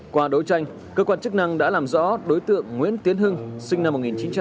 qua đấu tranh cơ quan chức năng đã làm rõ đối tượng nguyễn tiến hưng sinh năm một nghìn chín trăm tám mươi